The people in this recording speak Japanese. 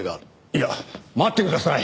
いや待ってください！